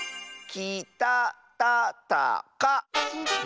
きたたたた！